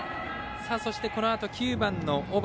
そして、このあと９番の小原。